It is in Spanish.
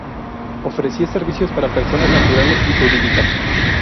Ofrecía servicios para personas naturales y jurídicas.